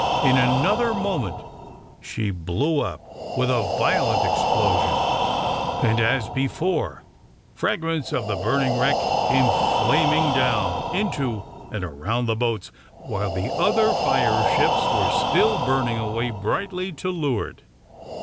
In another moment she blew up with a violent explosion, and as before, fragments of the burning wreck came flaming down into and around the boats, while the other fire ships were still burning away brightly to leeward.